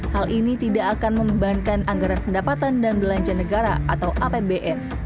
hal ini tidak akan membebankan anggaran pendapatan dan belanja negara atau apbn